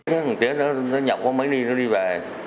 một tiếng nó nhậu có mấy ly nó đi về